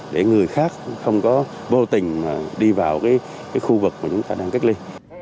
để người khác không có vô tình đi vào khu vực mà chúng ta đang cách ly